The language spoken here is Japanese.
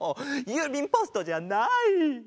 ゆうびんポストじゃない！